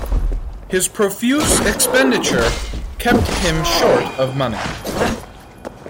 His profuse expenditure kept him short of money.